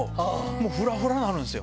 もうふらふらになるんですよ。